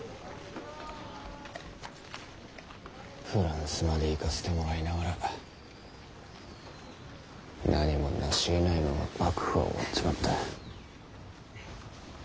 フランスまで行かせてもらいながら何もなしえないまま幕府は終わっちまった。